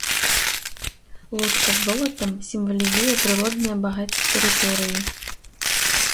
Лодка з золатам сімвалізуе прыродныя багацці тэрыторыі.